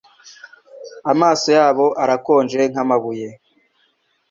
Amaso yabo arakonje nk'amabuye